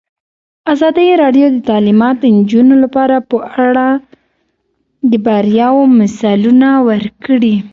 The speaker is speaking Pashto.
ازادي راډیو د تعلیمات د نجونو لپاره په اړه د بریاوو مثالونه ورکړي.